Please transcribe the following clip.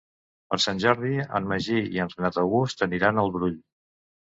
Per Sant Jordi en Magí i en Renat August aniran al Brull.